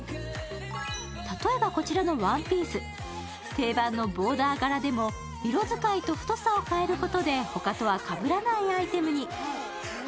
例えばこちらのワンピース、定番のボーダー柄でも色使いと太さを変えることでほかとはかぶらないアイテムに。